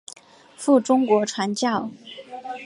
赴中国传教。